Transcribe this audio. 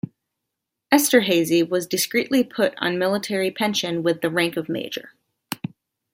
Esterhazy was discreetly put on military pension with the rank of major.